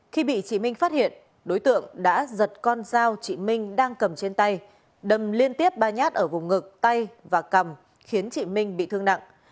khi bị chị minh phát hiện đối tượng đã giật con dao chị minh đang cầm trên tay đâm liên tiếp ba nhát ở vùng ngực tay và cầm khiến chị minh bị thương nặng